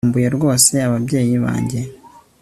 Nkumbuye rwose ababyeyi banjye